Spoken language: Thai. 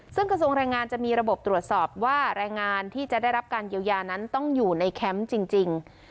ซึ่งกระทรวงแรงงานจะมีระบบตรวจสอบว่าแรงงานที่จะได้รับการเยียวยานั้นต้องอยู่ในแคมป์จริง